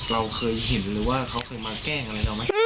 เราเคยเห็นหรือว่าเขาเคยมาแกล้งอะไรเราไหม